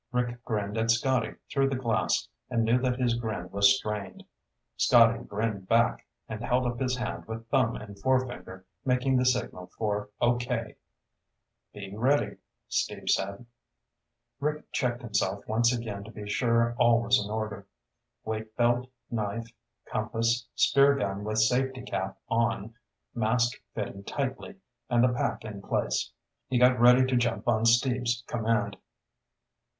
Rick grinned at Scotty through the glass, and knew that his grin was strained. Scotty grinned back and held up his hand with thumb and forefinger making the signal for "Okay." "Be ready," Steve said. Rick checked himself once again to be sure all was in order. Weight belt, knife, compass, spear gun with safety cap on, mask fitting tightly, and the pack in place. He got ready to jump on Steve's command.